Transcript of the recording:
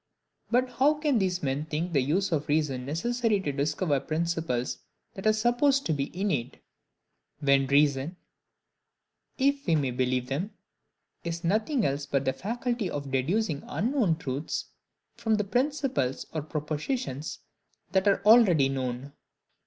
But how can these men think the use of reason necessary to discover principles that are supposed innate, when reason (if we may believe them) is nothing else but the faculty of deducing unknown truths from principles or propositions that are already known?